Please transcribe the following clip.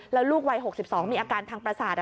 แล้วลูกวัย๖๒มีอาการทางประสาท